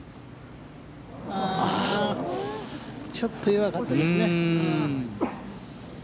ちょっと弱かったですね。